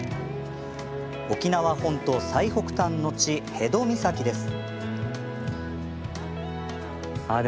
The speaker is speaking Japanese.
沖縄本島、最北端の地辺戸岬です。